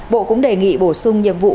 bộ cũng đề nghị bổ sung nhiệm vụ